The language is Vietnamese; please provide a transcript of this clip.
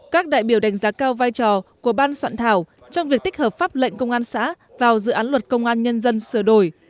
các đại biểu đánh giá cao vai trò của ban soạn thảo trong việc tích hợp pháp lệnh công an xã vào dự án luật công an nhân dân sửa đổi